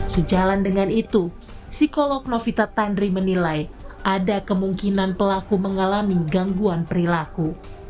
sejalan dengan itu psikolog novita tandri menilai ada kemungkinan pelaku mengalami gangguan perilaku